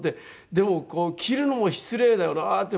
でも切るのも失礼だよなって。